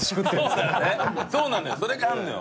タカ：そうなのよ